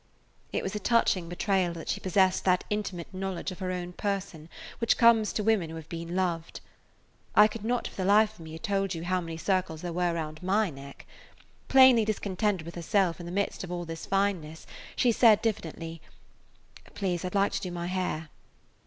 It was a touching betrayal that she possessed that intimate knowledge of her own person which comes to women who have been loved. I could not for the life of me have told you how many circles there were round my neck. Plainly discontented with herself in the midst of all this fineness, she said diffidently, "Please, I would like to do my hair."